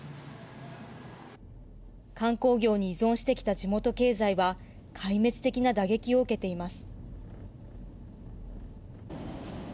観光業に依存してきた地元経済は壊滅的な打撃を受けています。